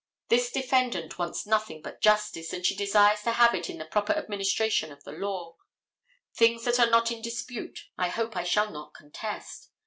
This defendant wants nothing but justice, and she desires to have it in the proper administration of the law. Things that are not in dispute I hope I shall not contest.